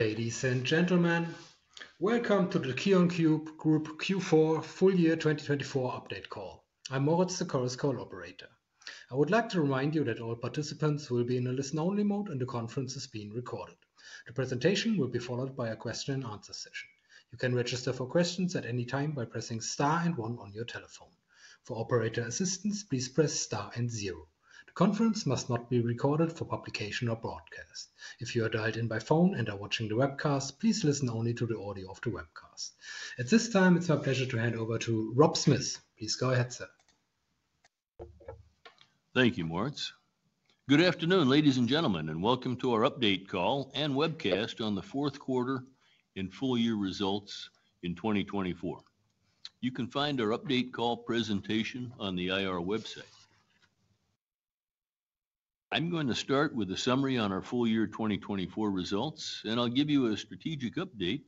Ladies and gentlemen, welcome to the KION Group Q4 FY 2024 Update Call. I'm Lawrence, the call's call operator. I would like to remind you that all participants will be in a listen-only mode, and the conference is being recorded. The presentation will be followed by a question-and-answer session. You can register for questions at any time by pressing star and one on your telephone. For operator assistance, please press star and zero. The conference must not be recorded for publication or broadcast. If you are dialed in by phone and are watching the webcast, please listen only to the audio of the webcast. At this time, it's my pleasure to hand over to Rob Smith. Please go ahead, sir. Thank you, Lawrence. Good afternoon, ladies and gentlemen, and welcome to our update call and webcast on the fourth quarter and full-year results in 2024. You can find our update call presentation on the IR website. I'm going to start with a summary on our full-year 2024 results, and I'll give you a strategic update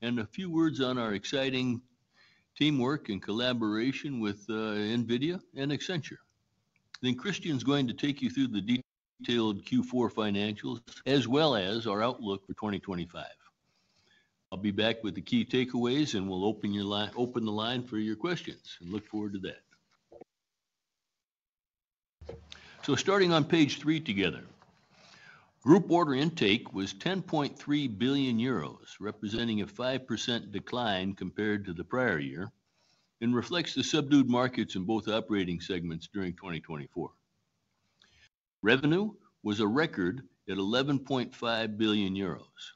and a few words on our exciting teamwork and collaboration with NVIDIA and Accenture. Then Christian's going to take you through the detailed Q4 financials, as well as our outlook for 2025. I'll be back with the key takeaways, and we'll open the line for your questions. Look forward to that. So starting on page three together, group order intake was 10.3 billion euros, representing a 5% decline compared to the prior year, and reflects the subdued markets in both operating segments during 2024. Revenue was a record at 11.5 billion euros.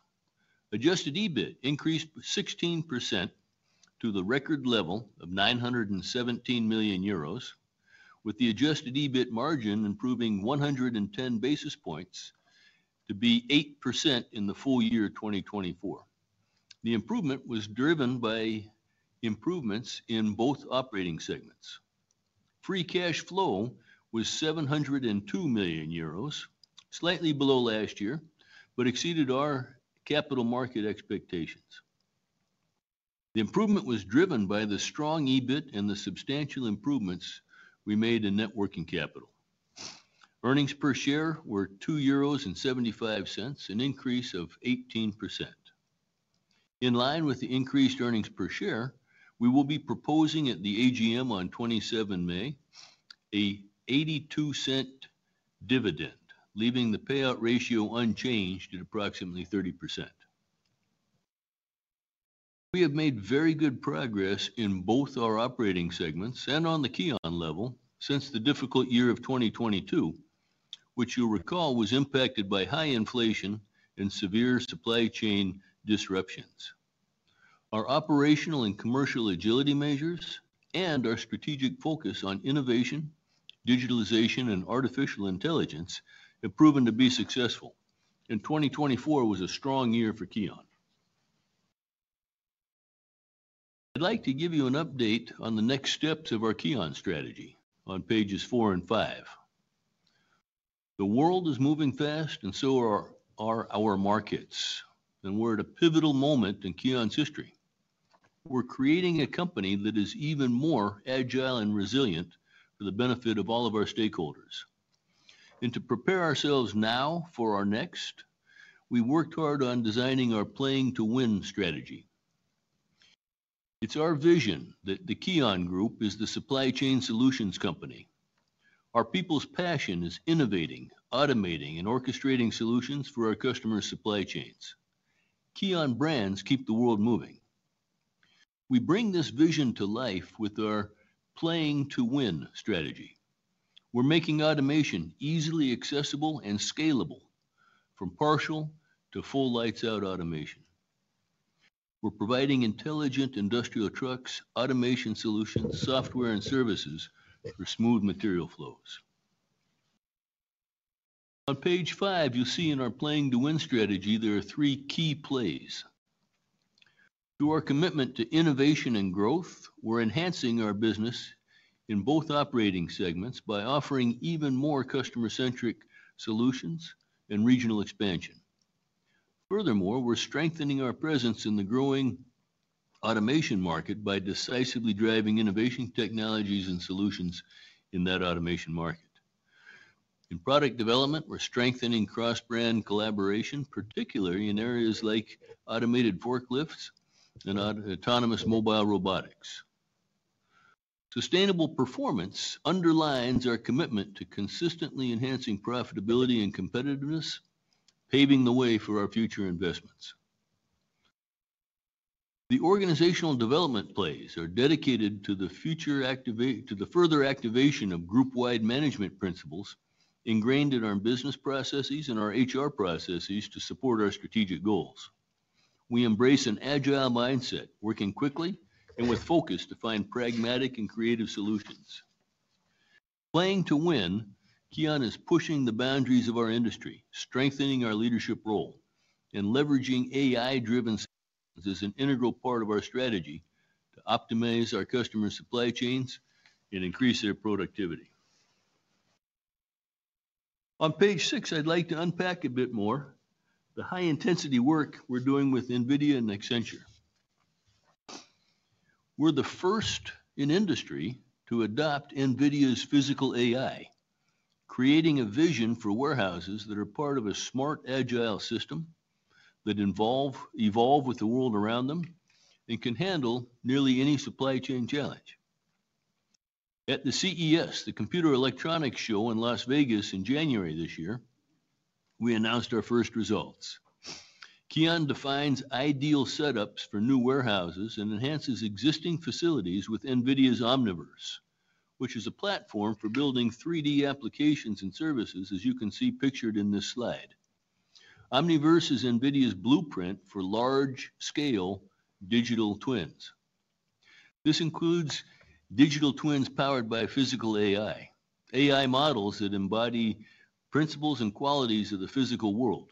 Adjusted EBITDA increased 16% to the record level of 917 million euros, with the adjusted EBITDA margin improving 110 basis points to be 8% in the full year 2024. The improvement was driven by improvements in both operating segments. Free cash flow was 702 million euros, slightly below last year, but exceeded our capital market expectations. The improvement was driven by the strong EBITDA and the substantial improvements we made in net working capital. Earnings per share were 2.75 euros, an increase of 18%. In line with the increased earnings per share, we will be proposing at the AGM on 27 May 2024, a 0.82 dividend, leaving the payout ratio unchanged at approximately 30%. We have made very good progress in both our operating segments and on the KION level since the difficult year of 2022, which you'll recall was impacted by high inflation and severe supply chain disruptions. Our operational and commercial agility measures and our strategic focus on innovation, digitalization, and artificial intelligence have proven to be successful, and 2024 was a strong year for KION. I'd like to give you an update on the next steps of our KION strategy on pages four and five. The world is moving fast, and so are our markets, and we're at a pivotal moment in KION's history. We're creating a company that is even more agile and resilient for the benefit of all of our stakeholders, and to prepare ourselves now for our next, we work hard on designing our Playing to Win strategy. It's our vision that the KION Group is the Supply Chain Solutions company. Our people's passion is innovating, automating, and orchestrating solutions for our customers' supply chains. KION brands keep the world moving. We bring this vision to life with our Playing to Win strategy. We're making automation easily accessible and scalable, from partial to full lights-out automation. We're providing intelligent industrial trucks, automation solutions, software, and services for smooth material flows. On page five, you'll see in our Playing to Win strategy, there are three key plays. Through our commitment to innovation and growth, we're enhancing our business in both operating segments by offering even more customer-centric solutions and regional expansion. Furthermore, we're strengthening our presence in the growing automation market by decisively driving integrated automation technologies and solutions in that automation market. In product development, we're strengthening cross-brand collaboration, particularly in areas like automated forklifts and autonomous mobile robotics. Sustainable performance underlines our commitment to consistently enhancing profitability and competitiveness, paving the way for our future investments. The organizational development plays are dedicated to the further activation of group-wide management principles ingrained in our business processes and our HR processes to support our strategic goals. We embrace an agile mindset, working quickly and with focus to find pragmatic and creative solutions. Playing to win, KION is pushing the boundaries of our industry, strengthening our leadership role, and leveraging AI-driven solutions as an integral part of our strategy to optimize our customers' supply chains and increase their productivity. On page six, I'd like to unpack a bit more the high-intensity work we're doing with NVIDIA and Accenture. We're the first in industry to adopt NVIDIA's physical AI, creating a vision for warehouses that are part of a smart, agile system that evolve with the world around them and can handle nearly any supply chain challenge. At the CES, the Consumer Electronics Show in Las Vegas in January this year, we announced our first results. KION defines ideal setups for new warehouses and enhances existing facilities with NVIDIA's Omniverse, which is a platform for building 3D applications and services, as you can see pictured in this slide. Omniverse is NVIDIA's blueprint for large-scale digital twins. This includes digital twins powered by physical AI, AI models that embody principles and qualities of the physical world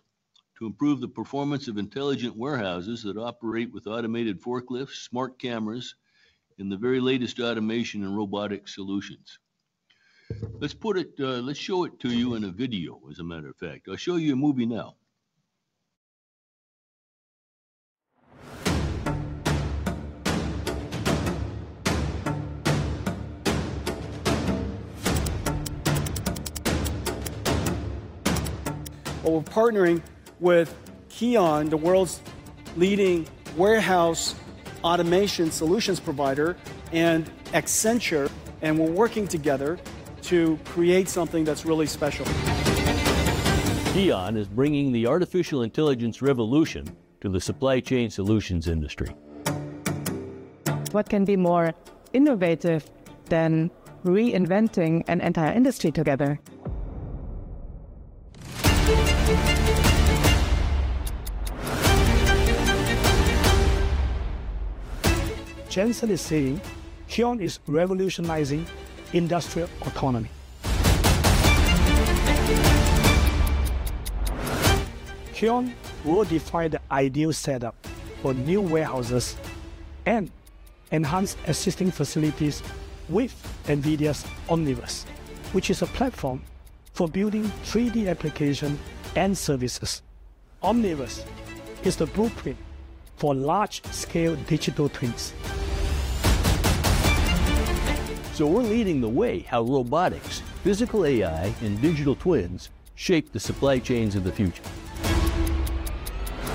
to improve the performance of intelligent warehouses that operate with automated forklifts, smart cameras, and the very latest automation and robotic solutions. Let's show it to you in a video, as a matter of fact. I'll show you a movie now. We're partnering with KION, the world's leading warehouse automation solutions provider, and Accenture, and we're working together to create something that's really special. KION is bringing the artificial intelligence revolution to the Supply Chain Solutions industry. What can be more innovative than reinventing an entire industry together? Jensen is saying KION is revolutionizing industrial autonomy. KION will define the ideal setup for new warehouses and enhance existing facilities with NVIDIA's Omniverse, which is a platform for building 3D applications and services. Omniverse is the blueprint for large-scale digital twins. We're leading the way how robotics, physical AI, and digital twins shape the supply chains of the future.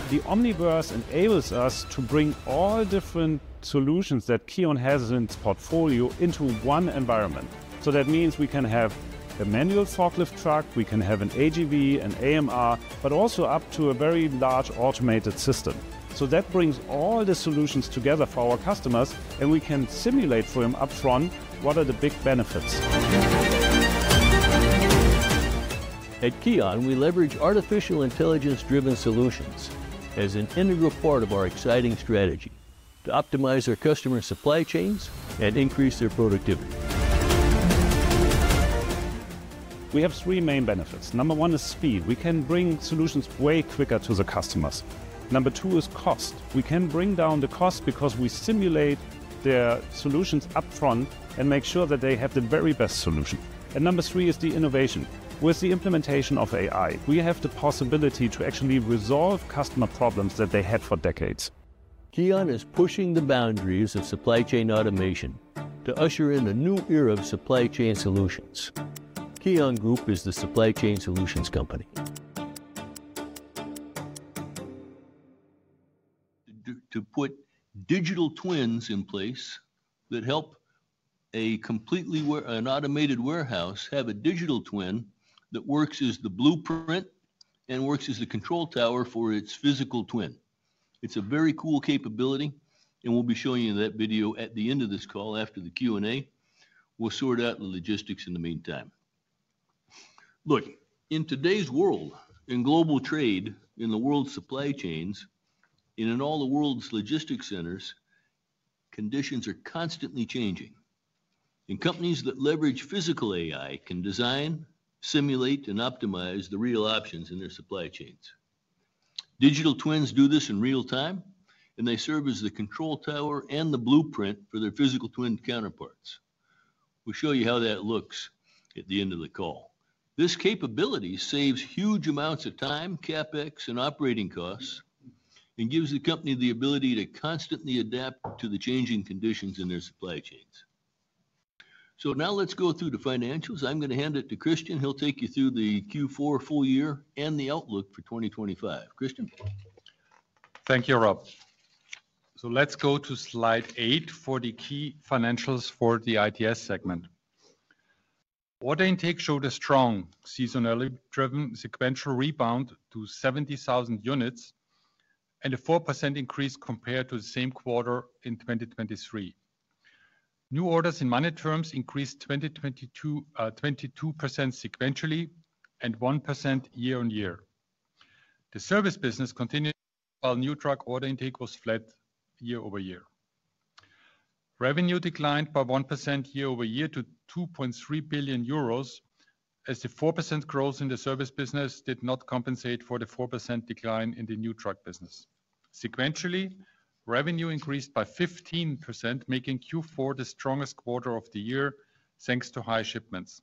The Omniverse enables us to bring all different solutions that KION has in its portfolio into one environment. So that means we can have a manual forklift truck, we can have an AGV, an AMR, but also up to a very large automated system. So that brings all the solutions together for our customers, and we can simulate for them upfront what are the big benefits? At KION, we leverage artificial intelligence-driven solutions as an integral part of our exciting strategy to optimize our customers' supply chains and increase their productivity. We have three main benefits. Number one is speed. We can bring solutions way quicker to the customers. Number two is cost. We can bring down the cost because we simulate their solutions upfront and make sure that they have the very best solution, and number three is the innovation. With the implementation of AI, we have the possibility to actually resolve customer problems that they had for decades. KION is pushing the boundaries of supply chain automation to usher in a new Supply Chain Solutions. KION Group, the Supply Chain Solutions company. To put digital twins in place that help an automated warehouse have a digital twin that works as the blueprint and works as the control tower for its physical twin. It's a very cool capability, and we'll be showing you that video at the end of this call after the Q&A. We'll sort out the logistics in the meantime. Look, in today's world, in global trade, in the world's supply chains, in all the world's logistics centers, conditions are constantly changing. And companies that leverage physical AI can design, simulate, and optimize the real options in their supply chains. Digital twins do this in real time, and they serve as the control tower and the blueprint for their physical twin counterparts. We'll show you how that looks at the end of the call. This capability saves huge amounts of time, CapEx, and operating costs, and gives the company the ability to constantly adapt to the changing conditions in their supply chains. So now let's go through the financials. I'm going to hand it to Christian. He'll take you through the Q4 full year and the outlook for 2025. Christian? Thank you, Rob. So let's go to slide eight for the key financials for the ITS segment. Order intake showed a strong seasonally driven sequential rebound to 70,000 units and a 4% increase compared to the same quarter in 2023. New orders in money terms increased 22% sequentially and 1% year-on-year. The service business continued while new truck order intake was flat year-over-year. Revenue declined by 1% year-over-year to 2.3 billion euros, as the 4% growth in the service business did not compensate for the 4% decline in the new truck business. Sequentially, revenue increased by 15%, making Q4 the strongest quarter of the year thanks to high shipments.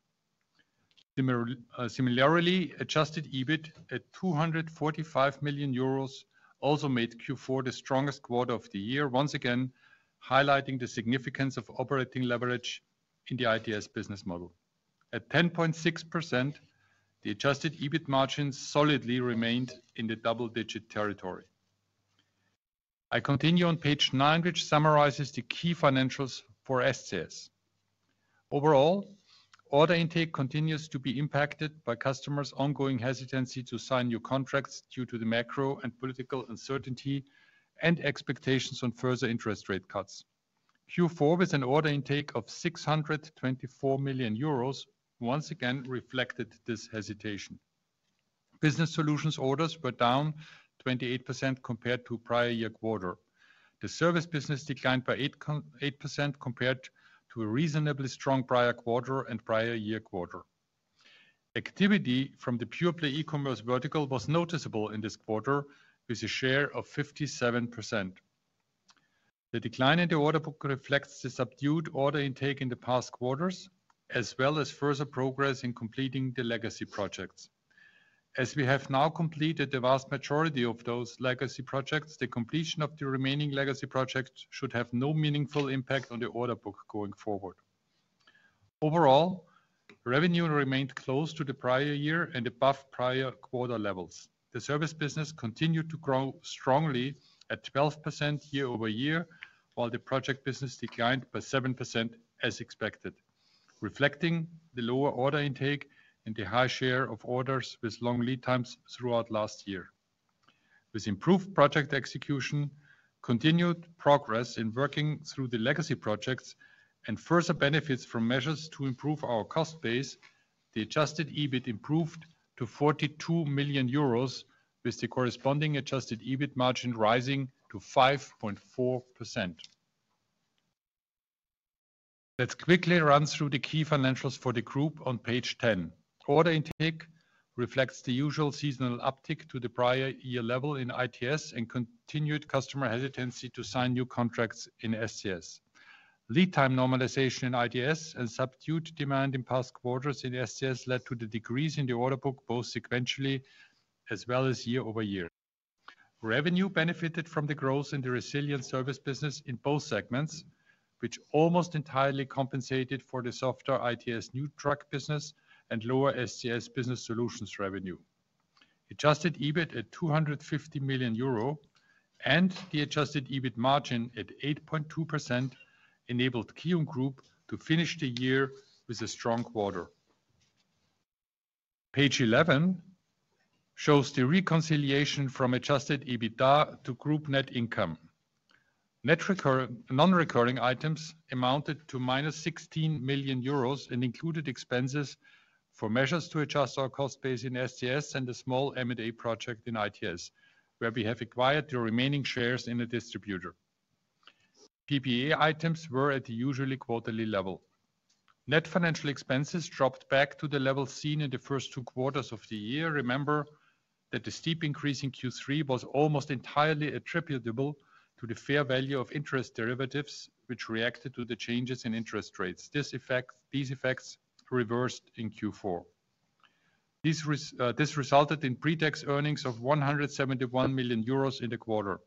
Similarly, adjusted EBITDA at 245 million euros also made Q4 the strongest quarter of the year, once again highlighting the significance of operating leverage in the ITS business model. At 10.6%, the adjusted EBITDA margins solidly remained in the double-digit territory. I continue on page nine, which summarizes the key financials for SCS. Overall, order intake continues to be impacted by customers' ongoing hesitancy to sign new contracts due to the macro and political uncertainty and expectations on further interest rate cuts. Q4, with an order intake of 624 million euros, once again reflected this hesitation. Business solutions orders were down 28% compared to prior year quarter. The service business declined by 8% compared to a reasonably strong prior quarter and prior year quarter. Activity from the pure-play e-commerce vertical was noticeable in this quarter with a share of 57%. The decline in the order book reflects the subdued order intake in the past quarters, as well as further progress in completing the legacy projects. As we have now completed the vast majority of those legacy projects, the completion of the remaining legacy projects should have no meaningful impact on the order book going forward. Overall, revenue remained close to the prior year and above prior quarter levels. The service business continued to grow strongly at 12% year-over-year, while the project business declined by 7% as expected, reflecting the lower order intake and the high share of orders with long lead times throughout last year. With improved project execution, continued progress in working through the legacy projects, and further benefits from measures to improve our cost base, the adjusted EBITDA improved to 42 million euros with the corresponding adjusted EBITDA margin rising to 5.4%. Let's quickly run through the key financials for the group on page 10. Order intake reflects the usual seasonal uptick to the prior year level in ITS and continued customer hesitancy to sign new contracts in SCS. Lead time normalization in ITS and subdued demand in past quarters in SCS led to the decrease in the order book both sequentially as well as year-over-year. Revenue benefited from the growth in the resilient service business in both segments, which almost entirely compensated for the softer ITS new truck business and lower SCS Business Solutions revenue. Adjusted EBITDA at 250 million euro and the adjusted EBITDA margin at 8.2% enabled KION Group to finish the year with a strong quarter. Page 11 shows the reconciliation from adjusted EBITDA to group net income. Non-recurring items amounted to 16 million euros and included expenses for measures to adjust our cost base in SCS and a small M&A project in ITS, where we have acquired the remaining shares in a distributor. PPA items were at the usual quarterly level. Net financial expenses dropped back to the level seen in the first two quarters of the year. Remember that the steep increase in Q3 was almost entirely attributable to the fair value of interest derivatives, which reacted to the changes in interest rates. These effects reversed in Q4. This resulted in pre-tax earnings of 171 million euros in the quarter.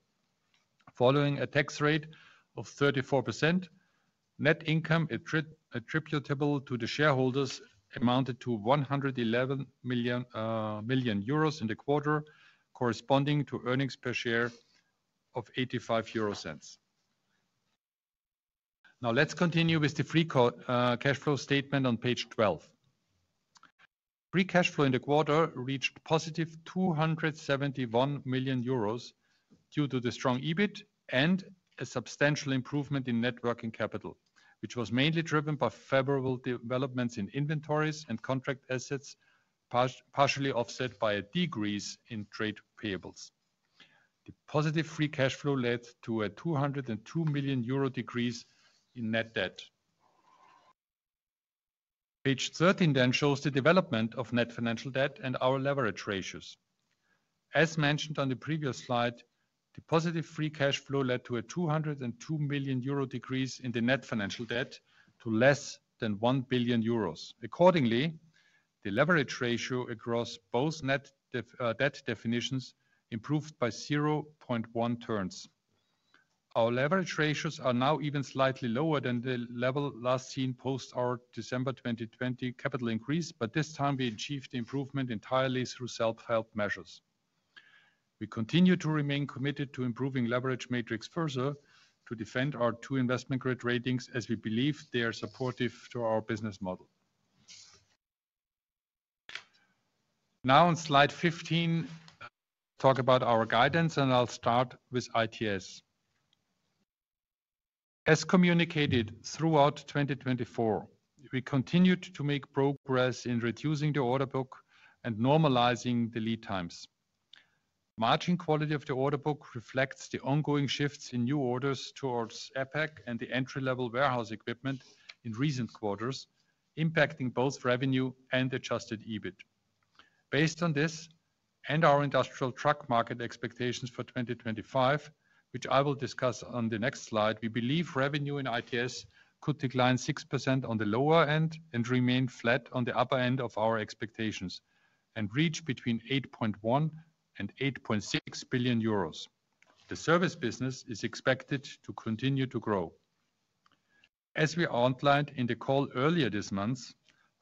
Following a tax rate of 34%, net income attributable to the shareholders amounted to 111 million euros in the quarter, corresponding to earnings per share of 0.85. Now let's continue with the free cash flow statement on page 12. Free cash flow in the quarter reached positive 271 million euros due to the strong EBITDA and a substantial improvement in net working capital, which was mainly driven by favorable developments in inventories and contract assets, partially offset by a decrease in trade payables. The positive free cash flow led to a 202 million euro decrease in net debt. Page 13 then shows the development of net financial debt and our leverage ratios. As mentioned on the previous slide, the positive free cash flow led to a 202 million euro decrease in the net financial debt to less than 1 billion euros. Accordingly, the leverage ratio across both net debt definitions improved by 0.1 turns. Our leverage ratios are now even slightly lower than the level last seen post our December 2020 capital increase, but this time we achieved the improvement entirely through self-help measures. We continue to remain committed to improving leverage metrics further to defend our two investment-grade ratings as we believe they are supportive to our business model. Now on slide 15, I'll talk about our guidance, and I'll start with ITS. As communicated throughout 2024, we continued to make progress in reducing the order book and normalizing the lead times. Margin quality of the order book reflects the ongoing shifts in new orders towards APAC and the entry-level warehouse equipment in recent quarters, impacting both revenue and adjusted EBITDA. Based on this and our industrial truck market expectations for 2025, which I will discuss on the next slide, we believe revenue in ITS could decline 6% on the lower end and remain flat on the upper end of our expectations and reach between 8.1 and 8.6 billion euros. The service business is expected to continue to grow. As we outlined in the call earlier this month,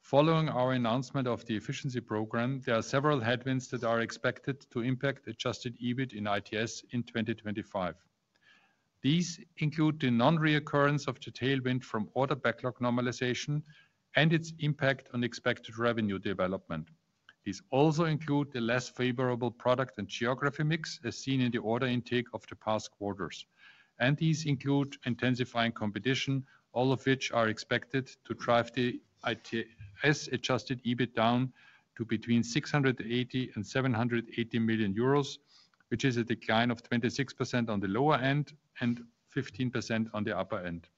following our announcement of the efficiency program, there are several headwinds that are expected to impact adjusted EBITDA in ITS in 2025. These include the non-reoccurrence of the tailwind from order backlog normalization and its impact on expected revenue development. These also include the less favorable product and geography mix as seen in the order intake of the past quarters. And these include intensifying competition, all of which are expected to drive the ITS adjusted EBITDA down to between 680 and 780 million euros, which is a decline of 26% on the lower end and 15% on the upper end.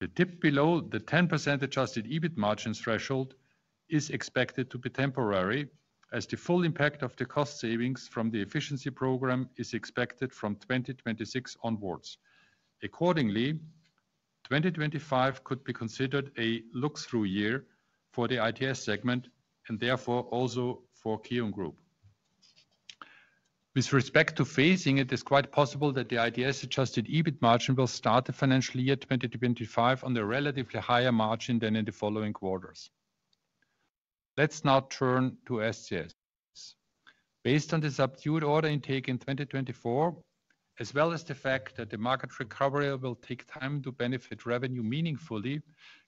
The dip below the 10% adjusted EBITDA margins threshold is expected to be temporary as the full impact of the cost savings from the efficiency program is expected from 2026 onwards. Accordingly, 2025 could be considered a look-through year for the ITS segment and therefore also for KION Group. With respect to phasing, it is quite possible that the ITS adjusted EBITDA margin will start the financial year 2025 on a relatively higher margin than in the following quarters. Let's now turn to SCS. Based on the subdued order intake in 2024, as well as the fact that the market recovery will take time to benefit revenue meaningfully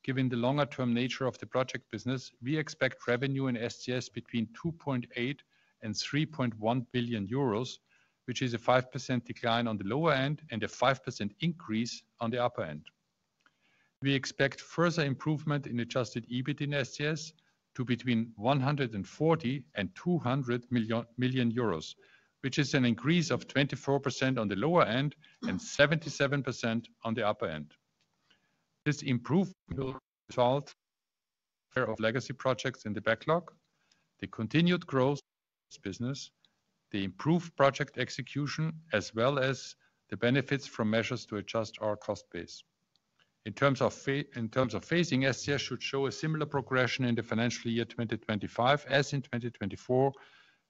given the longer-term nature of the project business, we expect revenue in SCS between 2.8 billion and 3.1 billion euros, which is a 5% decline on the lower end and a 5% increase on the upper end. We expect further improvement in adjusted EBITDA in SCS to between 140 million and 200 million euros, which is an increase of 24% on the lower end and 77% on the upper end. This improvement will result in the share of legacy projects in the backlog, the continued growth of this business, the improved project execution, as well as the benefits from measures to adjust our cost base. In terms of phasing, SCS should show a similar progression in the financial year 2025 as in 2024,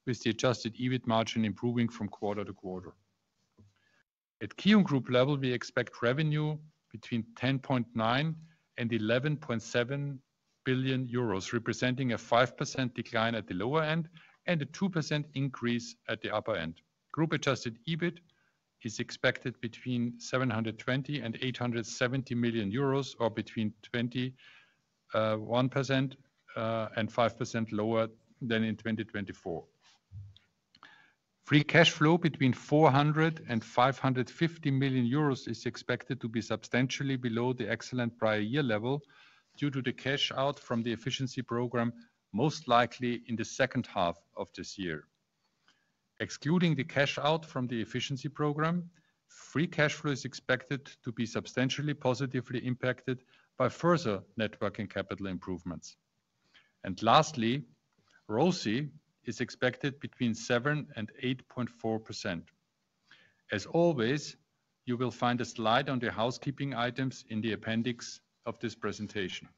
with the adjusted EBITDA margin improving from quarter to quarter. At KION Group level, we expect revenue between 10.9 billion and 11.7 billion euros, representing a 5% decline at the lower end and a 2% increase at the upper end. Group adjusted EBITDA is expected between 720 million and 870 million euros, or between 21% and 5% lower than in 2024. Free cash flow between 400 million euros and 550 million euros is expected to be substantially below the excellent prior year level due to the cash out from the efficiency program, most likely in the second half of this year. Excluding the cash out from the efficiency program, free cash flow is expected to be substantially positively impacted by further net working capital improvements, and lastly, ROCE is expected between 7% and 8.4%. As always, you will find a slide on the housekeeping items in the appendix of this presentation.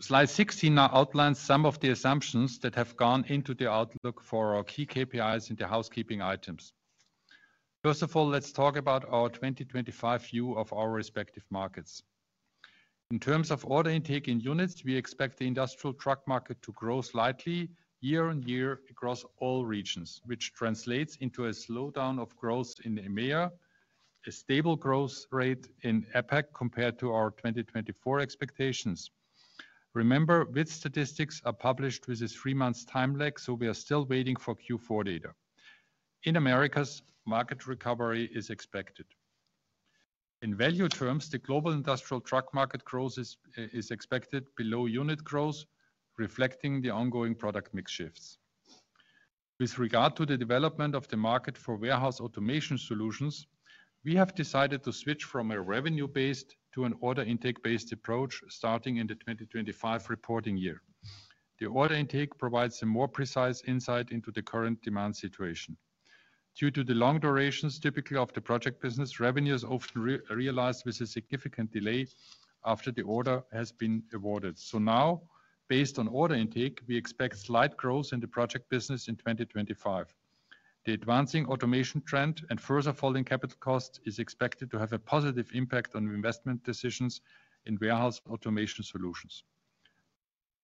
Slide 16 now outlines some of the assumptions that have gone into the outlook for our key KPIs in the housekeeping items. First of all, let's talk about our 2025 view of our respective markets. In terms of order intake in units, we expect the industrial truck market to grow slightly year-on-year across all regions, which translates into a slowdown of growth in EMEA, a stable growth rate in APAC compared to our 2024 expectations. Remember, WITS statistics are published with a three-month time lag, so we are still waiting for Q4 data. In America, market recovery is expected. In value terms, the global industrial truck market growth is expected below unit growth, reflecting the ongoing product mix shifts. With regard to the development of the market for warehouse automation solutions, we have decided to switch from a revenue-based to an order intake-based approach starting in the 2025 reporting year. The order intake provides a more precise insight into the current demand situation. Due to the long durations typically of the project business, revenues often realized with a significant delay after the order has been awarded, so now, based on order intake, we expect slight growth in the project business in 2025. The advancing automation trend and further falling capital costs is expected to have a positive impact on investment decisions in warehouse automation solutions.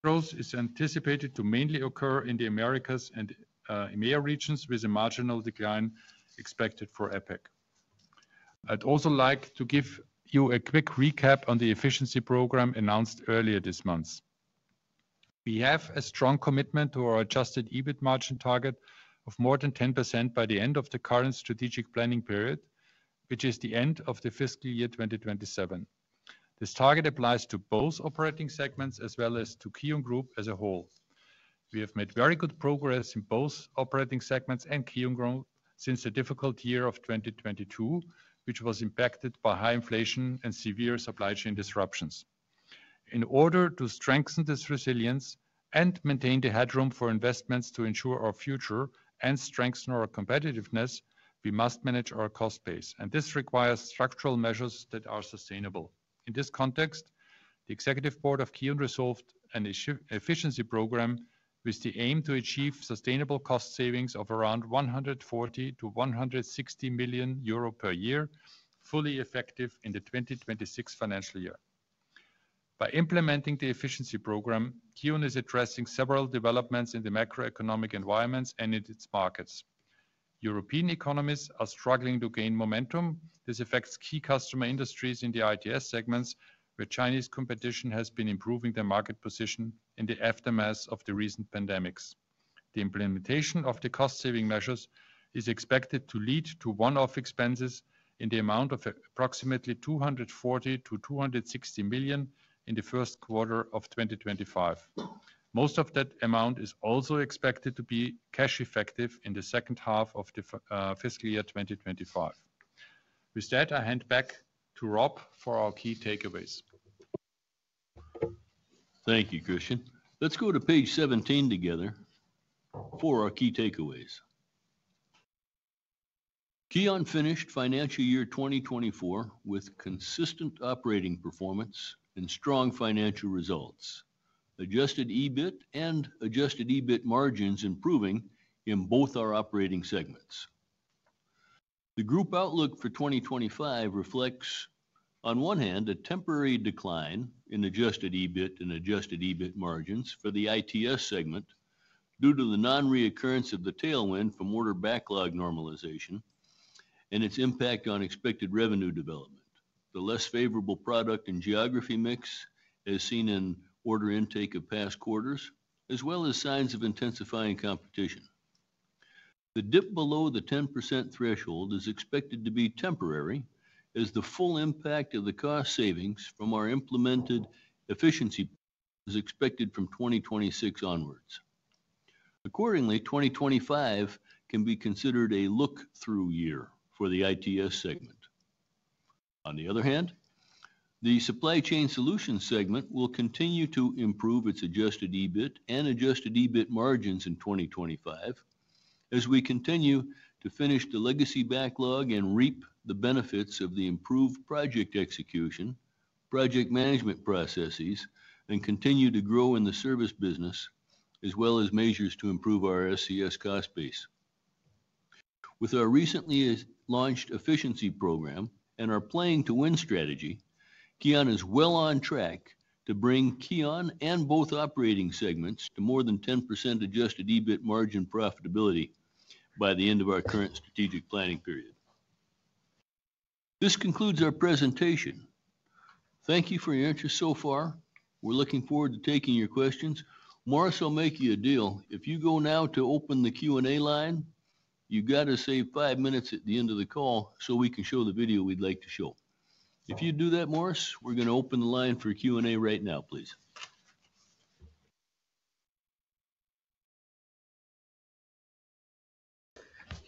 Growth is anticipated to mainly occur in the Americas and EMEA regions with a marginal decline expected for APAC. I'd also like to give you a quick recap on the efficiency program announced earlier this month. We have a strong commitment to our adjusted EBITDA margin target of more than 10% by the end of the current strategic planning period, which is the end of the fiscal year 2027. This target applies to both operating segments as well as to KION Group as a whole. We have made very good progress in both operating segments and KION Group since the difficult year of 2022, which was impacted by high inflation and severe supply chain disruptions. In order to strengthen this resilience and maintain the headroom for investments to ensure our future and strengthen our competitiveness, we must manage our cost base, and this requires structural measures that are sustainable. In this context, the executive board of KION resolved an efficiency program with the aim to achieve sustainable cost savings of around 140 million-160 million euro per year, fully effective in the 2026 financial year. By implementing the efficiency program, KION is addressing several developments in the macroeconomic environments and in its markets. European economies are struggling to gain momentum. This affects key customer industries in the ITS segments, where Chinese competition has been improving their market position in the aftermath of the recent pandemics. The implementation of the cost-saving measures is expected to lead to one-off expenses in the amount of approximately 240 million-260 million in the first quarter of 2025. Most of that amount is also expected to be cash effective in the second half of the fiscal year 2025. With that, I hand back to Rob for our key takeaways. Thank you, Christian. Let's go to page 17 together for our key takeaways. KION finished financial year 2024 with consistent operating performance and strong financial results, Adjusted EBITDA and adjusted EBITDA margins improving in both our operating segments. The group outlook for 2025 reflects, on one hand, a temporary decline in adjusted EBITDA and adjusted EBITDA margins for the ITS segment due to the non-reoccurrence of the tailwind from order backlog normalization and its impact on expected revenue development. The less favorable product and geography mix as seen in order intake of past quarters, as well as signs of intensifying competition. The dip below the 10% threshold is expected to be temporary as the full impact of the cost savings from our implemented efficiency is expected from 2026 onwards. Accordingly, 2025 can be considered a look-through year for the ITS segment. On the other Supply Chain Solutions segment will continue to improve its adjusted EBITDA and adjusted EBITDA margins in 2025 as we continue to finish the legacy backlog and reap the benefits of the improved project execution, project management processes, and continue to grow in the service business, as well as measures to improve our SCS cost base. With our recently launched efficiency program and our Playing to Win strategy, KION is well on track to bring KION and both operating segments to more than 10% adjusted EBITDA margin profitability by the end of our current strategic planning period. This concludes our presentation. Thank you for your interest so far. We're looking forward to taking your questions. Lawrence, I'll make you a deal. If you go now to open the Q&A line, you've got to save five minutes at the end of the call so we can show the video we'd like to show. If you do that, Lawrence, we're going to open the line for Q&A right now, please.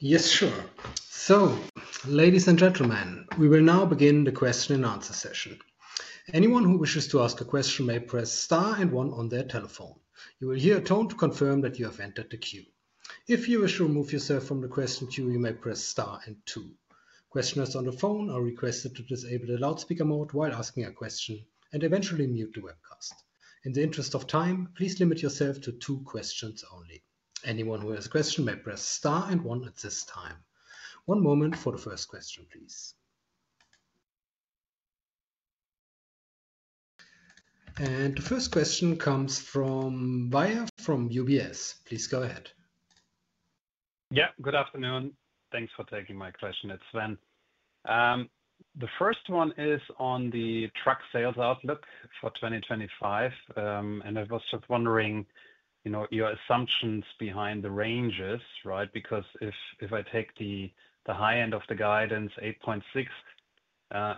Yes, sure. So, ladies and gentlemen, we will now begin the question-and-answer session. Anyone who wishes to ask a question may press star and one on their telephone. You will hear a tone to confirm that you have entered the queue. If you wish to remove yourself from the question queue, you may press star and two. Questioners on the phone are requested to disable the loudspeaker mode while asking a question and eventually mute the webcast. In the interest of time, please limit yourself to two questions only. Anyone who has a question may press star and one at this time. One moment for the first question, please. And the first question comes from Weier from UBS. Please go ahead. Yeah, good afternoon. Thanks for taking my question. It's Sven. The first one is on the truck sales outlook for 2025. And I was just wondering, you know, your assumptions behind the ranges, right? Because if I take the high end of the guidance, 8.6,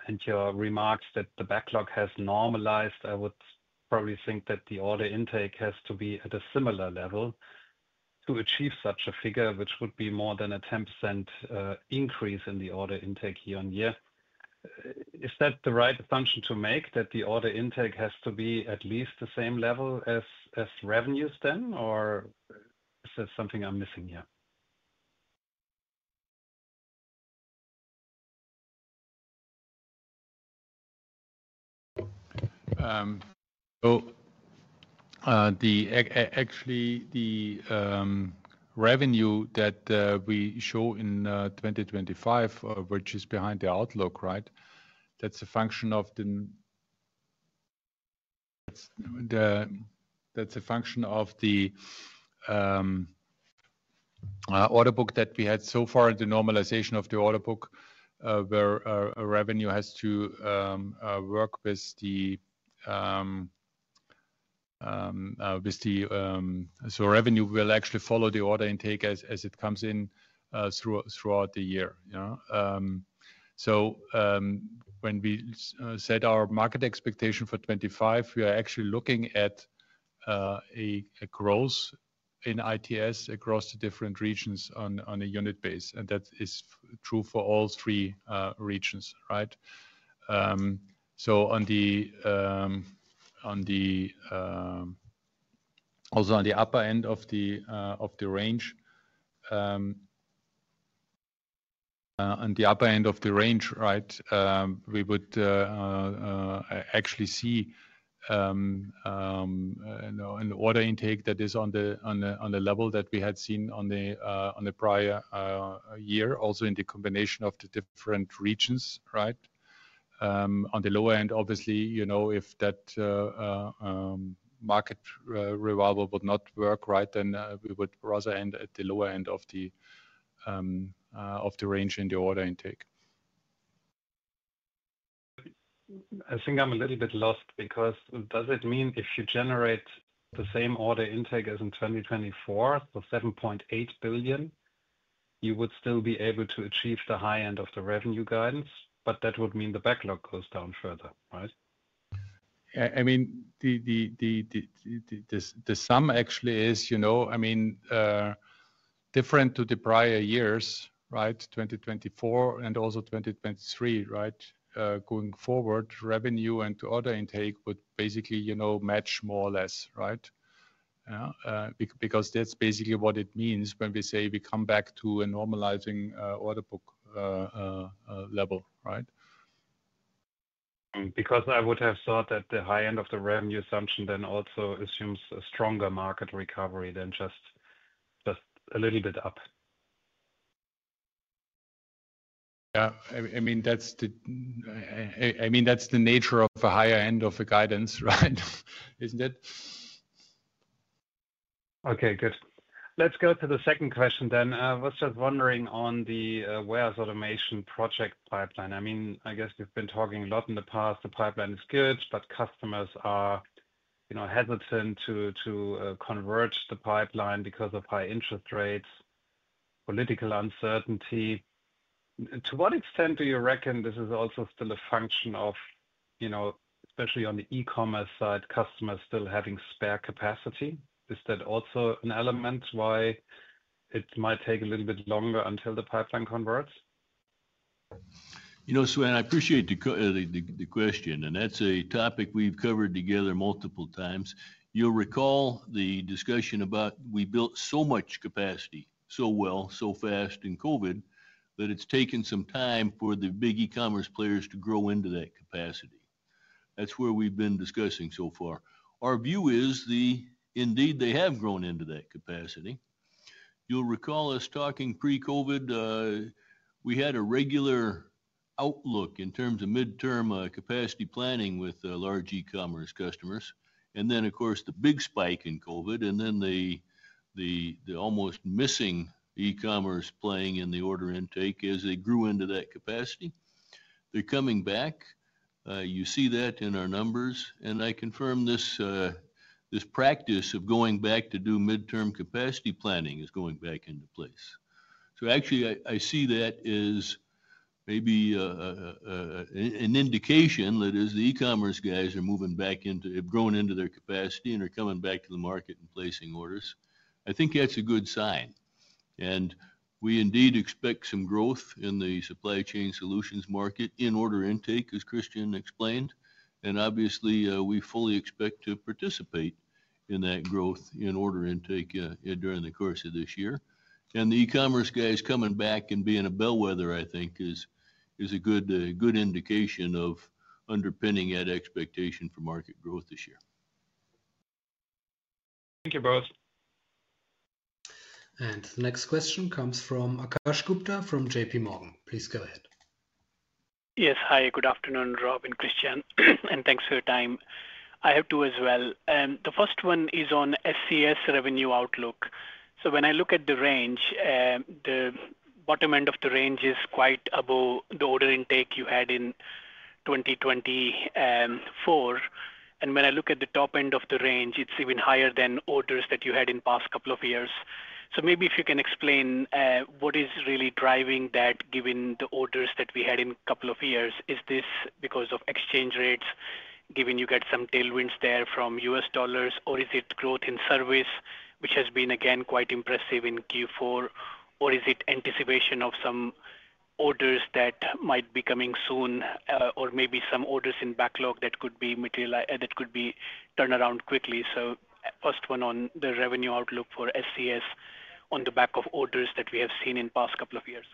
and your remarks that the backlog has normalized, I would probably think that the order intake has to be at a similar level to achieve such a figure, which would be more than a 10% increase in the order intake year-on-year. Is that the right assumption to make, that the order intake has to be at least the same level as revenues then? Or is that something I'm missing here? So actually, the revenue that we show in 2025, which is behind the outlook, right? That's a function of the order book that we had so far, the normalization of the order book, so revenue will actually follow the order intake as it comes in throughout the year. So when we set our market expectation for 2025, we are actually looking at a growth in ITS across the different regions on a unit base. And that is true for all three regions, right? So also on the upper end of the range, right, we would actually see an order intake that is on the level that we had seen on the prior year, also in the combination of the different regions, right? On the lower end, obviously, you know, if that market revolver would not work, right, then we would rather end at the lower end of the range in the order intake. I think I'm a little bit lost because does it mean if you generate the same order intake as in 2024, so 7.8 billion, you would still be able to achieve the high end of the revenue guidance, but that would mean the backlog goes down further, right? I mean, the sum actually is, you know, I mean, different to the prior years, right, 2024 and also 2023, right, going forward, revenue and order intake would basically, you know, match more or less, right? Because that's basically what it means when we say we come back to a normalizing order book level, right? Because I would have thought that the high end of the revenue assumption then also assumes a stronger market recovery than just a little bit up. Yeah, I mean, that's the nature of a higher end of a guidance, right? Isn't it? Okay, good. Let's go to the second question then. I was just wondering on the warehouse automation project pipeline. I mean, I guess we've been talking a lot in the past. The pipeline is good, but customers are, you know, hesitant to convert the pipeline because of high interest rates, political uncertainty. To what extent do you reckon this is also still a function of, you know, especially on the e-commerce side, customers still having spare capacity? Is that also an element why it might take a little bit longer until the pipeline converts? You know, Sven, I appreciate the question, and that's a topic we've covered together multiple times. You'll recall the discussion about we built so much capacity so well, so fast in COVID that it's taken some time for the big e-commerce players to grow into that capacity. That's where we've been discussing so far. Our view is that indeed they have grown into that capacity. You'll recall us talking pre-COVID. We had a regular outlook in terms of midterm capacity planning with large e-commerce customers. And then, of course, the big spike in COVID and then the almost missing e-commerce playing in the order intake as they grew into that capacity. They're coming back. You see that in our numbers. And I confirm this practice of going back to do midterm capacity planning is going back into place. So actually, I see that as maybe an indication that the e-commerce guys are moving back into, growing into their capacity and are coming back to the market and placing orders. I think that's a good sign. And we indeed expect some growth Supply Chain Solutions market in order intake, as Christian explained. And obviously, we fully expect to participate in that growth in order intake during the course of this year. And the e-commerce guys coming back and being a bellwether, I think, is a good indication of underpinning that expectation for market growth this year. Thank you both. And the next question comes from Akash Gupta from JPMorgan. Please go ahead. Yes, hi, good afternoon, Rob and Christian. And thanks for your time. I have two as well. The first one is on SCS revenue outlook. So when I look at the range, the bottom end of the range is quite above the order intake you had in 2024. And when I look at the top end of the range, it's even higher than orders that you had in the past couple of years. So maybe if you can explain what is really driving that given the orders that we had in a couple of years, is this because of exchange rates, given you get some tailwinds there from US dollars, or is it growth in service, which has been, again, quite impressive in Q4? Or is it anticipation of some orders that might be coming soon, or maybe some orders in backlog that could be turned around quickly? So first one on the revenue outlook for SCS on the back of orders that we have seen in the past couple of years.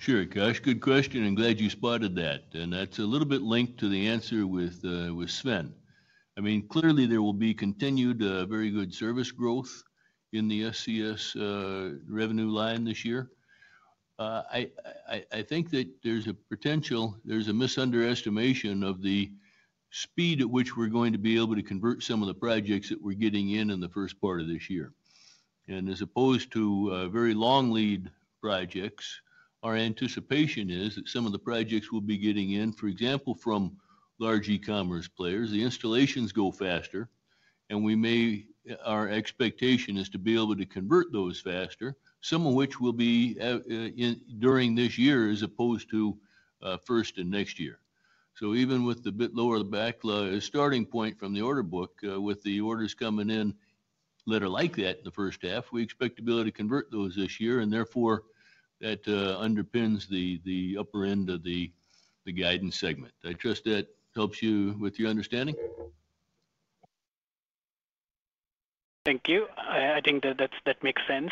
Sure, Akash, good question, and glad you spotted that. And that's a little bit linked to the answer with Sven. I mean, clearly there will be continued very good service growth in the SCS revenue line this year. I think that there's a potential, there's a misunderestimation of the speed at which we're going to be able to convert some of the projects that we're getting in in the first part of this year. And as opposed to very long lead projects, our anticipation is that some of the projects we'll be getting in, for example, from large e-commerce players, the installations go faster, and we may, our expectation is to be able to convert those faster, some of which will be during this year as opposed to first and next year. So even with a bit lower backlog as starting point from the order book, with the orders coming in later like that in the first half, we expect to be able to convert those this year, and therefore that underpins the upper end of the guidance segment. I trust that helps you with your understanding. Thank you. I think that makes sense.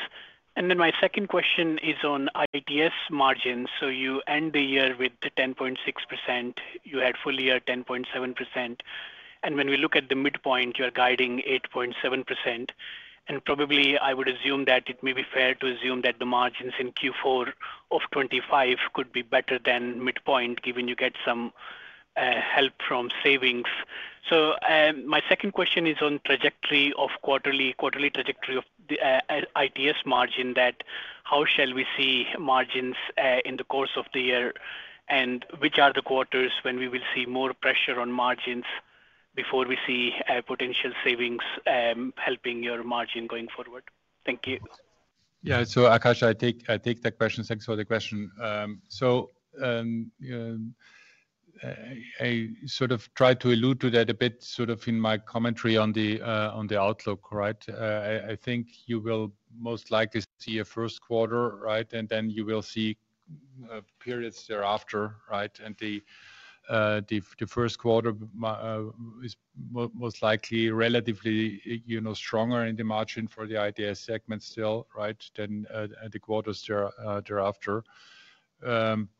And then my second question is on ITS margins. So you end the year with 10.6%, you had full year 10.7%. And when we look at the midpoint, you're guiding 8.7%. And probably I would assume that it may be fair to assume that the margins in Q4 of 2025 could be better than midpoint, given you get some help from savings. So my second question is on trajectory of quarterly, quarterly trajectory of ITS margin that how shall we see margins in the course of the year and which are the quarters when we will see more pressure on margins before we see potential savings helping your margin going forward? Thank you. Yeah, so Akash, I take that question. Thanks for the question. So I sort of tried to allude to that a bit, sort of in my commentary on the outlook, right? I think you will most likely see a first quarter, right? And then you will see periods thereafter, right? And the first quarter is most likely relatively stronger in the margin for the ITS segment still, right? Then the quarters thereafter.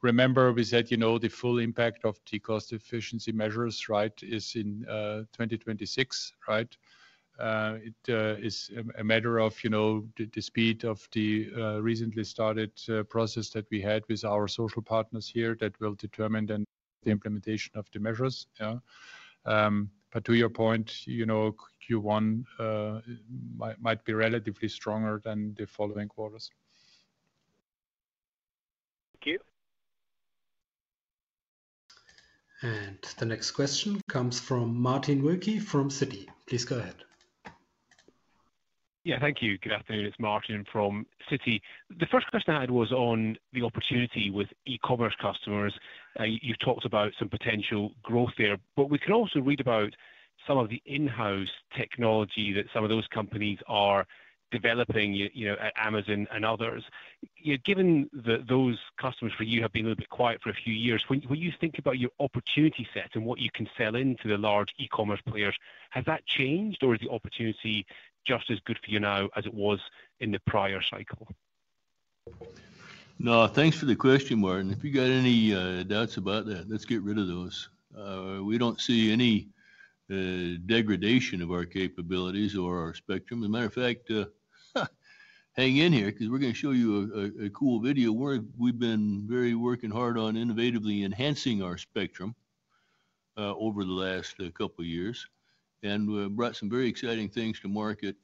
Remember we said, you know, the full impact of the cost efficiency measures, right, is in 2026, right? It is a matter of, you know, the speed of the recently started process that we had with our social partners here that will determine then the implementation of the measures. But to your point, you know, Q1 might be relatively stronger than the following quarters. Thank you. And the next question comes from Martin Wilkie from Citi. Please go ahead. Yeah, thank you. Good afternoon. It's Martin from Citi. The first question I had was on the opportunity with e-commerce customers. You've talked about some potential growth there, but we can also read about some of the in-house technology that some of those companies are developing, you know, at Amazon and others. Given that those customers for you have been a little bit quiet for a few years, when you think about your opportunity set and what you can sell into the large e-commerce players, has that changed or is the opportunity just as good for you now as it was in the prior cycle? No, thanks for the question, Martin. If you got any doubts about that, let's get rid of those. We don't see any degradation of our capabilities or our spectrum. As a matter of fact, hang in here because we're going to show you a cool video where we've been very working hard on innovatively enhancing our spectrum over the last couple of years. And we brought some very exciting things to market,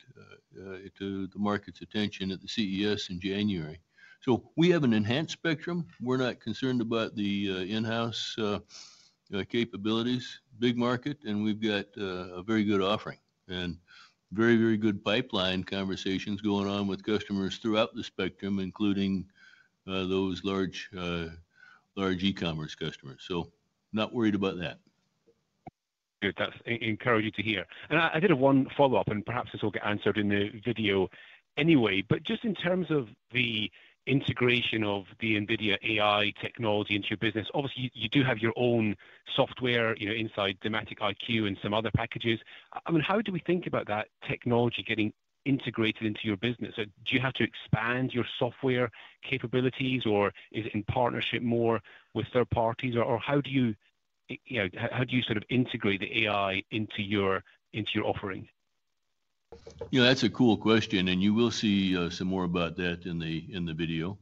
to the market's attention at the CES in January. So we have an enhanced spectrum. We're not concerned about the in-house capabilities, big market, and we've got a very good offering and very, very good pipeline conversations going on with customers throughout the spectrum, including those large e-commerce customers. So not worried about that. Encouraging to hear, and I did a one follow-up, and perhaps this will get answered in the video anyway, but just in terms of the integration of the NVIDIA AI technology into your business, obviously you do have your own software, you know, inside Dematic iQ and some other packages. I mean, how do we think about that technology getting integrated into your business? Do you have to expand your software capabilities, or is it in partnership more with third parties, or how do you, you know, how do you sort of integrate the AI into your offering? You know, that's a cool question, and you will see some more about that in the video.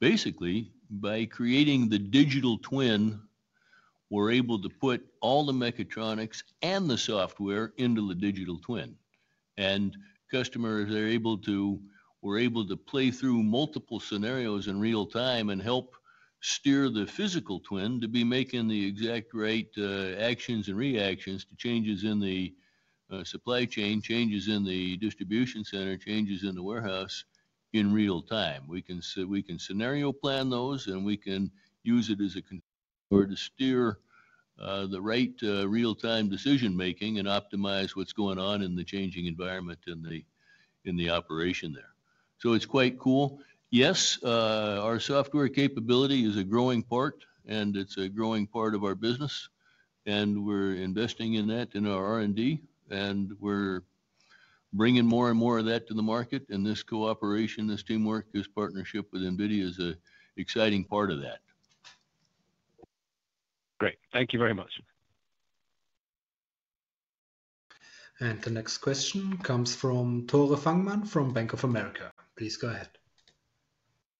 Basically, by creating the digital twin, we're able to put all the mechatronics and the software into the digital twin. And customers, they're able to, we're able to play through multiple scenarios in real-time and help steer the physical twin to be making the exact right actions and reactions to changes in the supply chain, changes in the distribution center, changes in the warehouse in real time. We can scenario plan those, and we can use it as a controller to steer the right real-time decision-making and optimize what's going on in the changing environment in the operation there. So it's quite cool. Yes, our software capability is a growing part, and it's a growing part of our business. We're investing in that in our R&D, and we're bringing more and more of that to the market. This cooperation, this teamwork, this partnership with NVIDIA is an exciting part of that. Great. Thank you very much. The next question comes from Tore Fangmann from Bank of America. Please go ahead.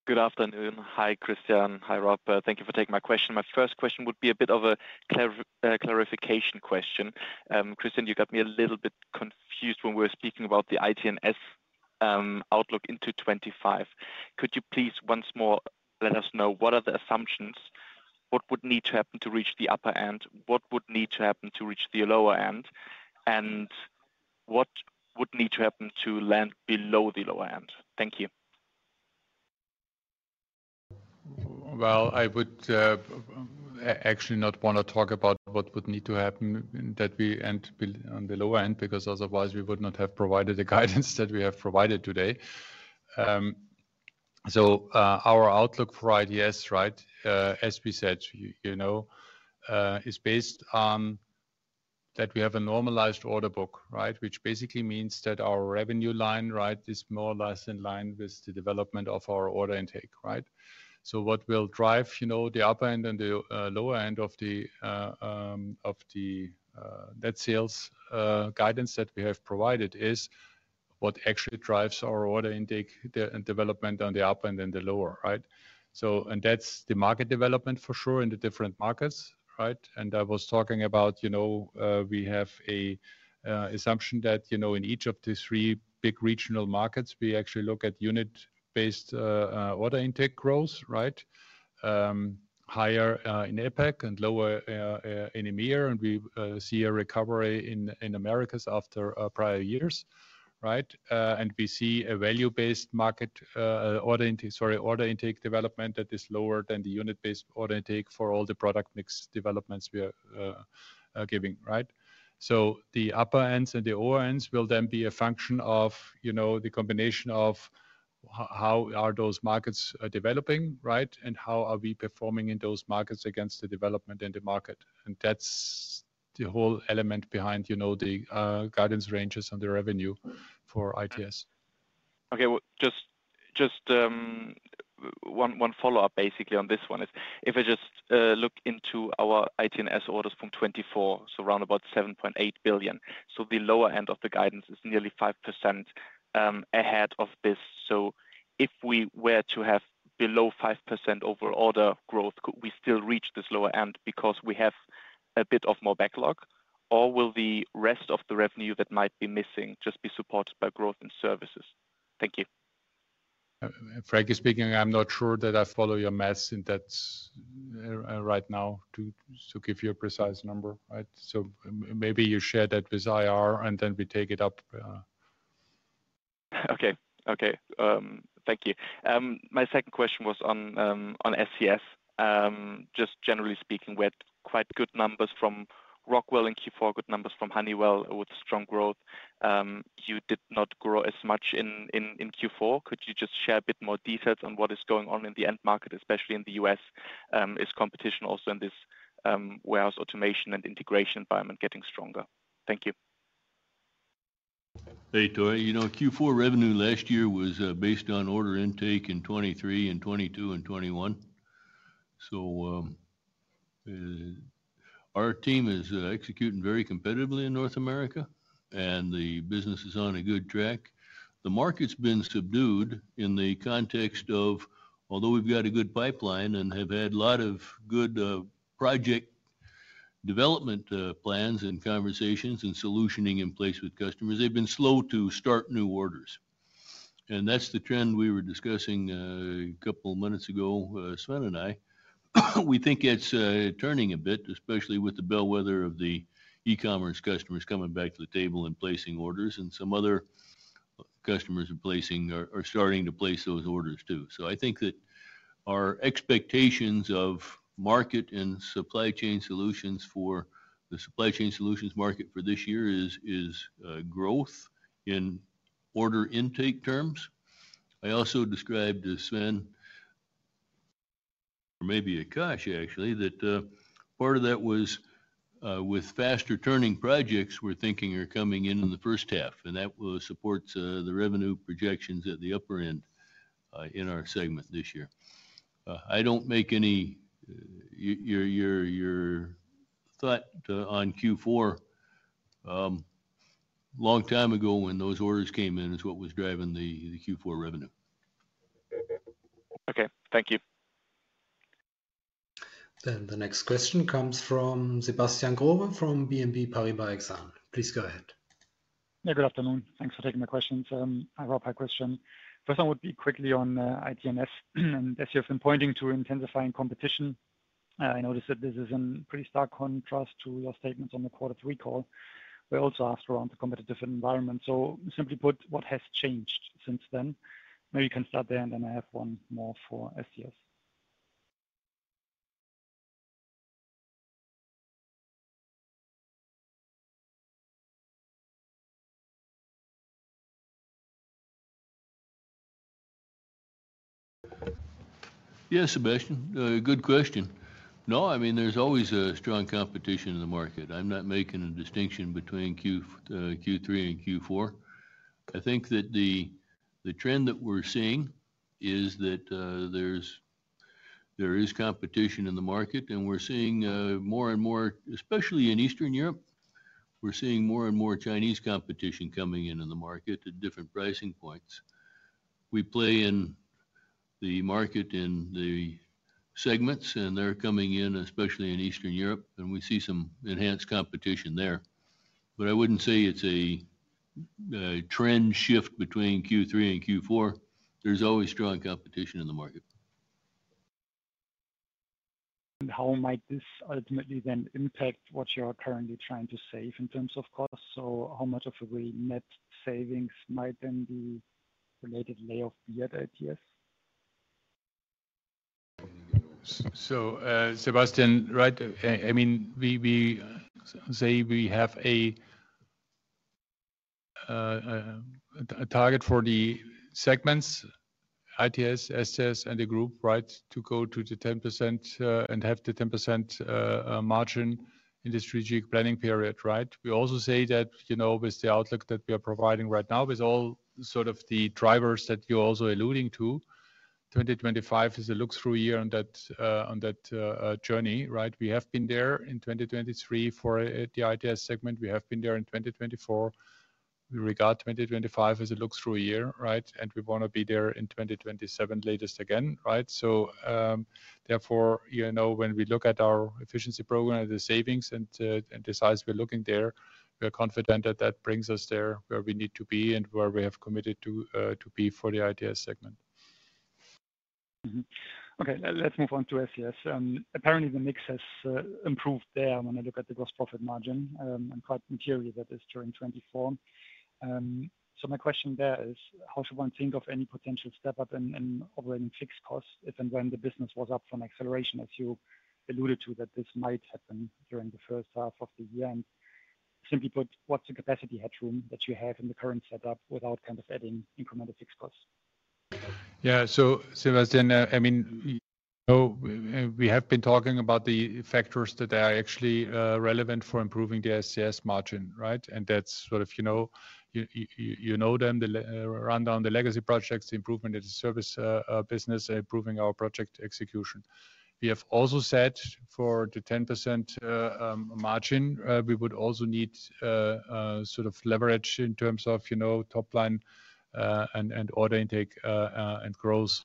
Good afternoon. Hi, Christian. Hi, Rob. Thank you for taking my question. My first question would be a bit of a clarification question. Christian, you got me a little bit confused when we were speaking about the ITS outlook into 2025. Could you please once more let us know what are the assumptions? What would need to happen to reach the upper end? What would need to happen to reach the lower end? And what would need to happen to land below the lower end? Thank you. I would actually not want to talk about what would need to happen that we end on the lower end because otherwise we would not have provided the guidance that we have provided today. So our outlook for ITS, right, as we said, you know, is based on that we have a normalized order book, right, which basically means that our revenue line, right, is more or less in line with the development of our order intake, right? So what will drive, you know, the upper end and the lower end of the net sales guidance that we have provided is what actually drives our order intake development on the upper end and the lower, right? So, and that's the market development for sure in the different markets, right? I was talking about, you know, we have an assumption that, you know, in each of the three big regional markets, we actually look at unit-based order intake growth, right? Higher in APAC and lower in EMEA, and we see a recovery in Americas after prior years, right? We see a value-based market order intake, sorry, order intake development that is lower than the unit-based order intake for all the product mix developments we are giving, right? The upper ends and the lower ends will then be a function of, you know, the combination of how are those markets developing, right? And how are we performing in those markets against the development in the market? That's the whole element behind, you know, the guidance ranges on the revenue for ITS. Okay, just one follow-up basically on this one is if I just look into our ITS orders from 2024, so round about 7.8 billion. So the lower end of the guidance is nearly 5% ahead of this. So if we were to have below 5% overall order growth, could we still reach this lower end because we have a bit of more backlog, or will the rest of the revenue that might be missing just be supported by growth in services? Thank you. Frankly speaking, I'm not sure that I follow your math in that right now to give you a precise number, right? So maybe you share that with IR and then we take it up. Okay, okay. Thank you. My second question was on SCS. Just generally speaking, we had quite good numbers from Rockwell in Q4, good numbers from Honeywell with strong growth. You did not grow as much in Q4. Could you just share a bit more details on what is going on in the end market, especially in the U.S.? Is competition also in this warehouse automation and integration environment getting stronger? Thank you. Hey, you know, Q4 revenue last year was based on order intake in 2023 and 2022 and 2021. So our team is executing very competitively in North America, and the business is on a good track. The market's been subdued in the context of, although we've got a good pipeline and have had a lot of good project development plans and conversations and solutioning in place with customers, they've been slow to start new orders, and that's the trend we were discussing a couple of minutes ago, Sven and I. We think it's turning a bit, especially with the bellwether of the e-commerce customers coming back to the table and placing orders, and some other customers are placing, are starting to place those orders too. So I think that our expectations of Supply Chain Solutions market for this year is growth in order intake terms. I also described to Sven, or maybe Akash actually, that part of that was with faster turning projects we're thinking are coming in in the first half, and that supports the revenue projections at the upper end in our segment this year. I don't make any thought on Q4. A long time ago when those orders came in is what was driving the Q4 revenue. Okay, thank you. Then the next question comes from Sebastian Growe from BNP Paribas Exane. Please go ahead. Yeah, good afternoon. Thanks for taking my questions. I've got a question. First one would be quickly on ITS, and as you have been pointing to intensifying competition, I noticed that this is in pretty stark contrast to your statements on the quarter three call. We also asked around the competitive environment. So simply put, what has changed since then? Maybe you can start there, and then I have one more for SCS. Yeah, Sebastian, good question. No, I mean, there's always a strong competition in the market. I'm not making a distinction between Q3 and Q4. I think that the trend that we're seeing is that there is competition in the market, and we're seeing more and more, especially in Eastern Europe, we're seeing more and more Chinese competition coming into the market at different pricing points. We play in the market in the segments, and they're coming in, especially in Eastern Europe, and we see some enhanced competition there, but I wouldn't say it's a trend shift between Q3 and Q4. There's always strong competition in the market, How might this ultimately then impact what you're currently trying to save in terms of costs, so how much of a net savings might then be related to layoff at ITS? So Sebastian, right, I mean, we say we have a target for the segments, ITS, SCS, and the group, right, to go to the 10% and have the 10% margin in the strategic planning period, right? We also say that, you know, with the outlook that we are providing right now, with all sort of the drivers that you're also alluding to, 2025 is a look-through year on that journey, right? We have been there in 2023 for the ITS segment. We have been there in 2024. We regard 2025 as a look-through year, right? And we want to be there in 2027 latest again, right? So therefore, you know, when we look at our efficiency program and the savings and the size we're looking there, we're confident that that brings us there where we need to be and where we have committed to be for the ITS segment. Okay, let's move on to SCS. Apparently, the mix has improved there when I look at the gross profit margin and quite materially that is during 2024. So my question there is, how should one think of any potential step-up in operating fixed costs if and when the business was up from acceleration, as you alluded to, that this might happen during the first half of the year? Simply put, what's the capacity headroom that you have in the current setup without kind of adding incremental fixed costs? Yeah, so Sebastian, I mean, we have been talking about the factors that are actually relevant for improving the SCS margin, right? And that's sort of, you know, you know them, the rundown, the legacy projects, the improvement of the service business, and improving our project execution. We have also said for the 10% margin, we would also need sort of leverage in terms of, you know, top line and order intake and growth.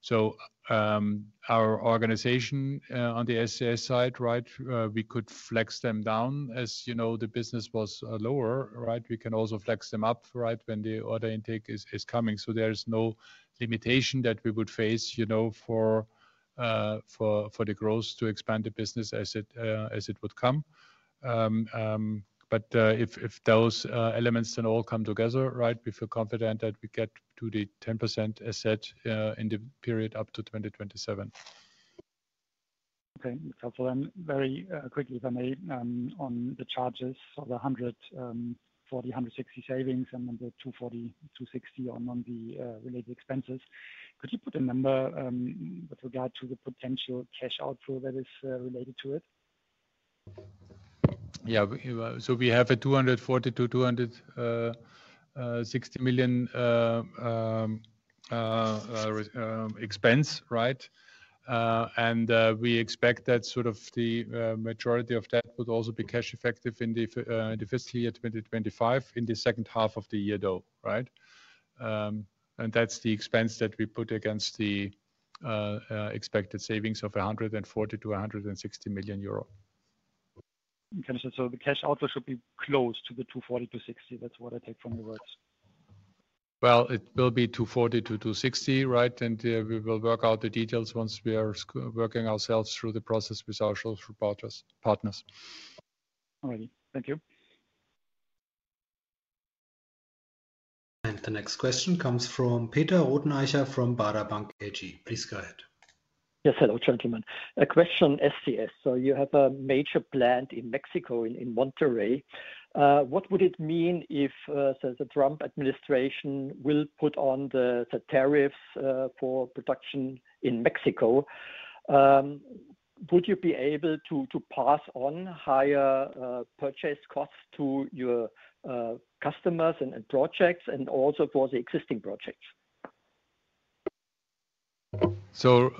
So our organization on the SCS side, right, we could flex them down as, you know, the business was lower, right? We can also flex them up, right, when the order intake is coming. So there's no limitation that we would face, you know, for the growth to expand the business as it would come. But if those elements then all come together, right, we feel confident that we get to the 10% as said in the period up to 2027. Okay, so for them, very quickly, if I may, on the charges of 140 million-160 million savings and then the 240 million-260 million on the related expenses. Could you put a number with regard to the potential cash outflow that is related to it? Yeah, so we have a 240 million-260 million expense, right? And we expect that sort of the majority of that would also be cash effective in the fiscal year 2025 in the second half of the year though, right? And that's the expense that we put against the expected savings of 140 million-160 million euro. Okay, so the cash outflow should be close to the 240 million-260 million. That's what I take from your words. It will be 240 million-260 million, right? We will work out the details once we are working ourselves through the process with our social partners. All right, thank you. The next question comes from Peter Rothenaicher from Baader Bank AG. Please go ahead. Yes, hello gentlemen. A question, SCS. So you have a major plant in Mexico in Monterrey. What would it mean if the Trump administration will put on the tariffs for production in Mexico? Would you be able to pass on higher purchase costs to your customers and projects and also for the existing projects? So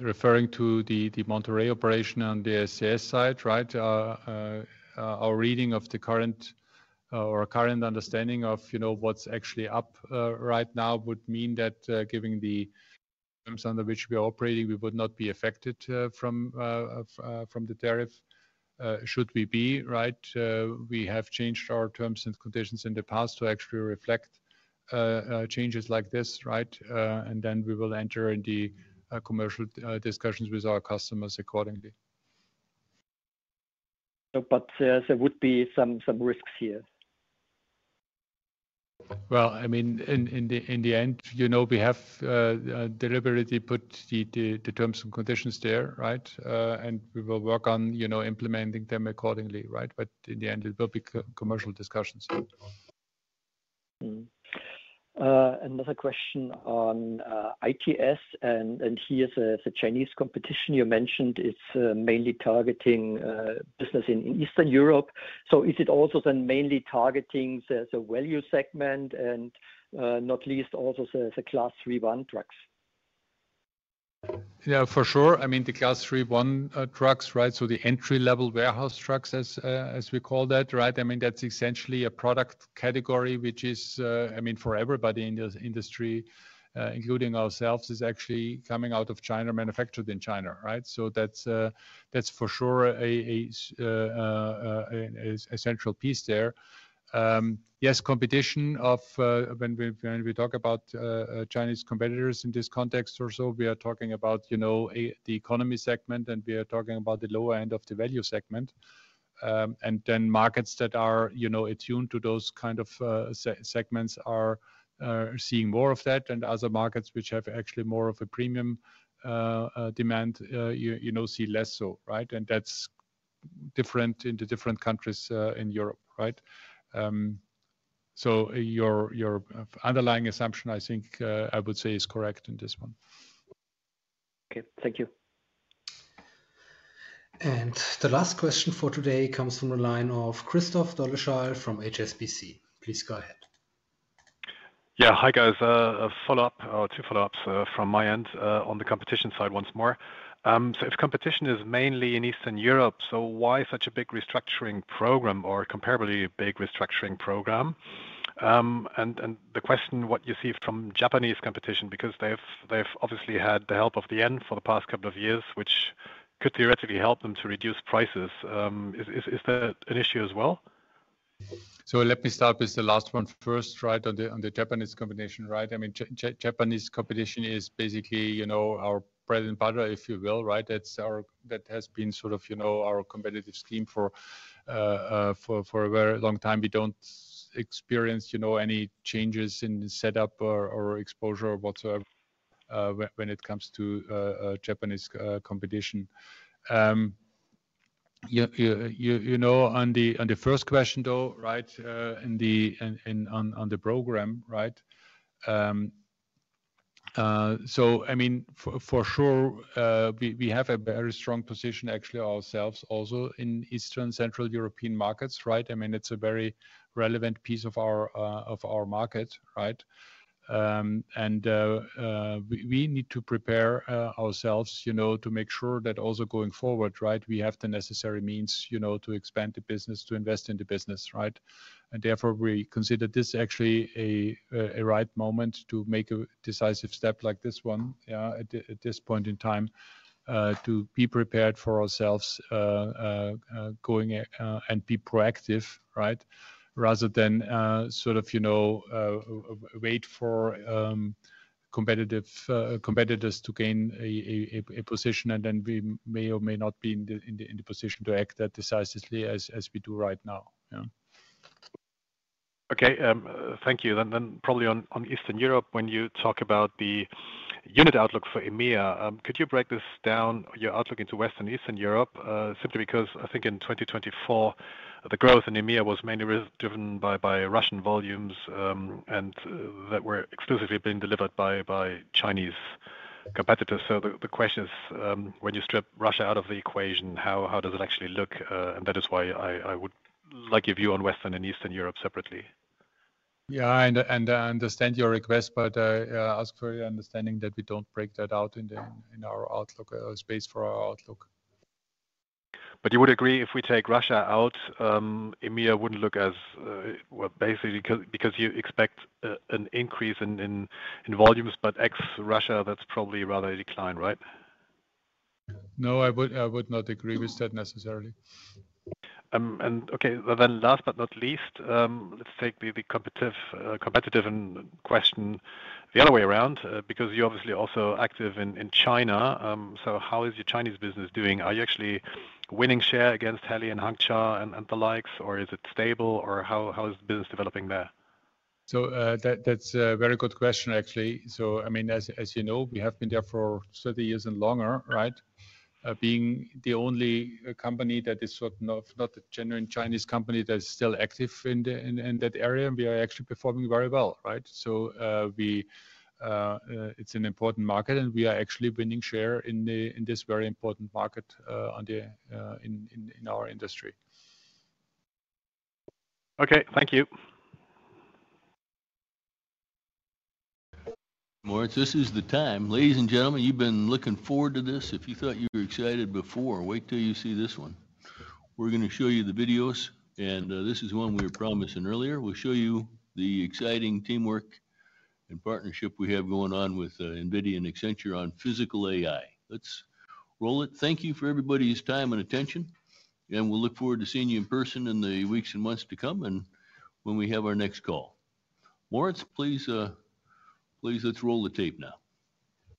referring to the Monterrey operation on the SCS side, right, our reading of the current understanding of, you know, what's actually up right now would mean that giving the terms under which we are operating, we would not be affected from the tariff. Should we be, right? We have changed our terms and conditions in the past to actually reflect changes like this, right? And then we will enter into commercial discussions with our customers accordingly. But there would be some risks here. Well, I mean, in the end, you know, we have deliberately put the terms and conditions there, right? And we will work on, you know, implementing them accordingly, right? But in the end, it will be commercial discussions. Another question on ITS and here's the Chinese competition you mentioned is mainly targeting business in Eastern Europe. So is it also then mainly targeting the value segment and not least also the Class 3 trucks? Yeah, for sure. I mean, the Class 3 trucks, right? So the entry-level warehouse trucks, as we call that, right? I mean, that's essentially a product category, which is, I mean, for everybody in the industry, including ourselves, is actually coming out of China, manufactured in China, right? So that's for sure an essential piece there. Yes, competition of when we talk about Chinese competitors in this context or so, we are talking about, you know, the economy segment and we are talking about the lower end of the value segment. And then markets that are, you know, attuned to those kind of segments are seeing more of that. And other markets which have actually more of a premium demand, you know, see less so, right? And that's different in the different countries in Europe, right? So your underlying assumption, I think I would say is correct in this one. Okay, thank you. And the last question for today comes from the line of Christoph Dolleschal from HSBC. Please go ahead. Yeah, hi guys. A follow-up or two follow-ups from my end on the competition side once more. So if competition is mainly in Eastern Europe, so why such a big restructuring program or comparably big restructuring program? And the question what you see from Japanese competition, because they've obviously had the help of the yen for the past couple of years, which could theoretically help them to reduce prices. Is that an issue as well? So let me start with the last one first, right? On the Japanese competition, right? I mean, Japanese competition is basically, you know, our bread and butter, if you will, right? That has been sort of, you know, our competitive scheme for a very long time. We don't experience, you know, any changes in setup or exposure or whatsoever when it comes to Japanese competition. You know, on the first question though, right, on the program, right? So I mean, for sure, we have a very strong position actually ourselves also in Eastern and Central European markets, right? I mean, it's a very relevant piece of our market, right? And we need to prepare ourselves, you know, to make sure that also going forward, right? We have the necessary means, you know, to expand the business, to invest in the business, right? And therefore we consider this actually a right moment to make a decisive step like this one, yeah, at this point in time to be prepared for ourselves going and be proactive, right? Rather than sort of, you know, wait for competitors to gain a position and then we may or may not be in the position to act that decisively as we do right now, yeah? Okay, thank you. Then probably on Eastern Europe, when you talk about the unit outlook for EMEA, could you break this down, your outlook into Western and Eastern Europe? Simply because I think in 2024, the growth in EMEA was mainly driven by Russian volumes, and that were exclusively being delivered by Chinese competitors, so the question is, when you strip Russia out of the equation, how does it actually look, and that is why I would like your view on Western and Eastern Europe separately. Yeah, and I understand your request, but I ask for your understanding that we don't break that out in our outlook space for our outlook. But you would agree if we take Russia out, EMEA wouldn't look as, well, basically because you expect an increase in volumes, but with Russia, that's probably rather a decline, right? No, I would not agree with that necessarily. And okay, then last but not least, let's take the competitive question the other way around because you're obviously also active in China. So how is your Chinese business doing? Are you actually winning share against Heli and Hangcha and the likes, or is it stable, or how is the business developing there? So that's a very good question, actually. So I mean, as you know, we have been there for 30 years and longer, right? Being the only company that is sort of not a genuine Chinese company that is still active in that area, we are actually performing very well, right? So it's an important market and we are actually winning share in this very important market in our industry. Okay, thank you. All right, this is the time. Ladies and gentlemen, you've been looking forward to this. If you thought you were excited before, wait till you see this one. We're going to show you the videos, and this is one we were promising earlier. We'll show you the exciting teamwork and partnership we have going on with NVIDIA and Accenture on physical AI. Let's roll it. Thank you for everybody's time and attention, and we'll look forward to seeing you in person in the weeks and months to come and when we have our next call. Lawrence, please, let's roll the tape now.